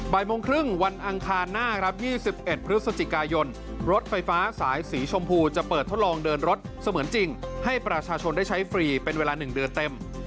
โมงครึ่งวันอังคารหน้าครับ๒๑พฤศจิกายนรถไฟฟ้าสายสีชมพูจะเปิดทดลองเดินรถเสมือนจริงให้ประชาชนได้ใช้ฟรีเป็นเวลา๑เดือนเต็ม